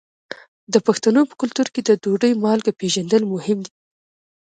د پښتنو په کلتور کې د ډوډۍ مالګه پیژندل مهم دي.